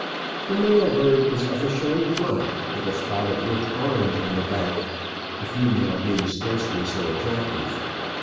The male bird is of a shiny black, with a spot of rich orange on. the back, the female being scarcely so attractive.